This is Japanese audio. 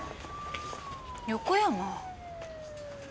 横山。